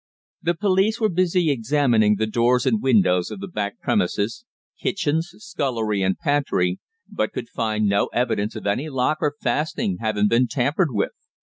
The police were busy examining the doors and windows of the back premises, kitchens, scullery, and pantry, but could find no evidence of any lock or fastening having been tampered with.